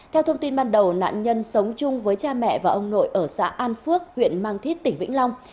theo thông tin ban đầu nạn nhân sống chung với cha mẹ và ông nội ở xã an phước huyện mang thít tỉnh vĩnh long